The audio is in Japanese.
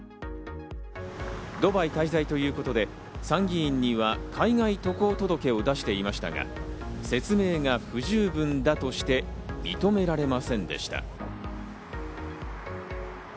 ドバイ滞在ということで参議院には海外渡航届を出していましたが、説明が不十分だとして認められませんでした。